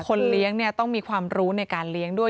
เลี้ยงต้องมีความรู้ในการเลี้ยงด้วย